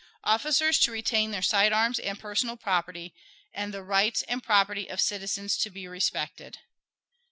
Officers to retain their side arms and personal property, and the rights and property of citizens to be respected.